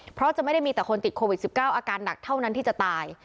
เพราะจะไม่ได้มีแต่คนติดโควิด๑๙อาการหนักเท่านั้นที่จะตาย